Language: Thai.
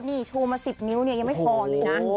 นี่โชว์มา๑๐นิ้วเนี่ยยังไม่พอเลยนะ